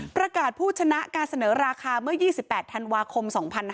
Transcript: ผู้ชนะการเสนอราคาเมื่อ๒๘ธันวาคม๒๕๕๙